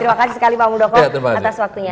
terima kasih sekali pak muldoko atas waktunya